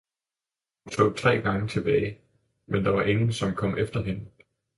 Hun så tre gange tilbage, men der var ingen, som kom efter hende.